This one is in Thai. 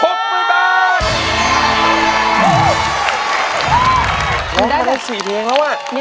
มันได้๔ทีแล้วว่ะ